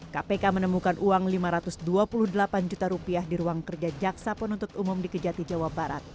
kpk menemukan uang lima ratus dua puluh delapan juta rupiah di ruang kerja jaksa penuntut umum di kejati jawa barat